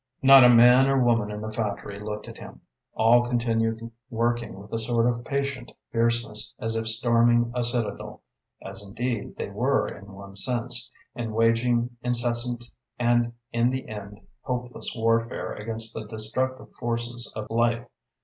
Not a man or woman in the factory looked at him. All continued working with a sort of patient fierceness, as if storming a citadel as, indeed, they were in one sense and waging incessant and in the end hopeless warfare against the destructive forces of life.